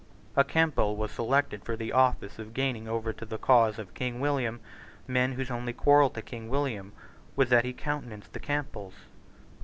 A Campbell was selected for the office of gaining over to the cause of King William men whose only quarrel to King William was that he countenanced the Campbells.